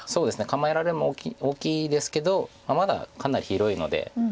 構えられるのも大きいですけどまだかなり広いので。